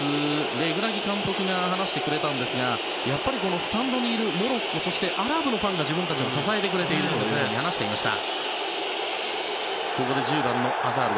レグラギ監督が話してくれたんですがやはり、スタンドにいるモロッコそしてアラブのファンが自分たちを支えてくれていると話していました。